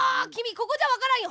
ここじゃわからんよ。